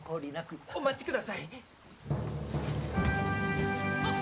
お待ちください！